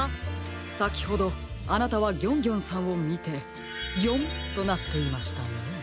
さきほどあなたはギョンギョンさんをみて「ギョン！」となっていましたね。